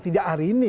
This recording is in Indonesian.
tidak hari ini